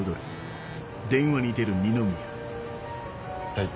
はい。